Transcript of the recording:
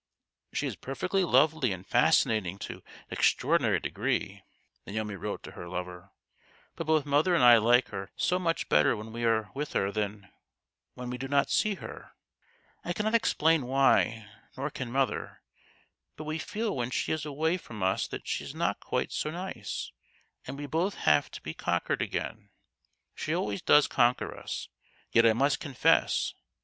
" She is perfectly lovely, and fascinating to an extraordinary degree," Naomi wrote to her lover ;" but both mother and I like her so much better when we are with her than when we do not see her. I cannot explain why, nor can mother, but we feel when she is away from us that she is not quite so nice, and we both have to be conquered again. She always does conquer us ; that I must confess.